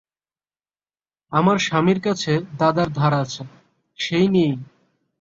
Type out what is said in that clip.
আমার স্বামীর কাছে দাদার ধার আছে, সেই নিয়ে।